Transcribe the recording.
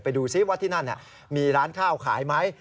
ไปดูซิว่าที่นั่นมีร้านข้าวขายไหม